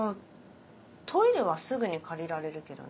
トイレはすぐに借りられるけどね。